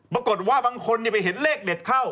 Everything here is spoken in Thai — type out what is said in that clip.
ปรากฏว่าบางคนไปเห็นเลขเด็ดเข้า